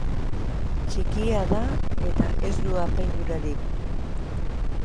Txikia da eta ez du apaindurarik.